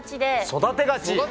育てがち！？